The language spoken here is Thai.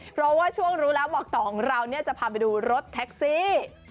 เพราะว่าช่วงรู้แล้วบอกต่อของเราจะพาไปดูรถแท็กซี่